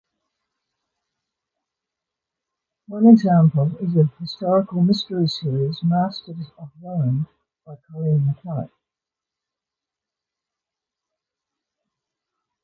One example is the historical mystery series "Masters of Rome" by Colleen McCullough.